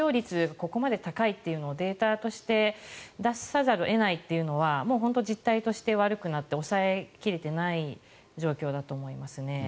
ここまで高いとデータとして出さざるを得ないというのは実態として悪くなって抑え切れていないわけですよね。